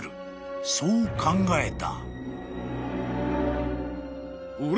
［そう考えた］